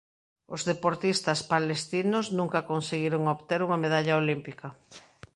Os deportistas palestinos nunca conseguiron obter unha medalla olímpica.